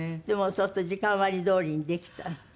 でもそうすると時間割どおりにできた？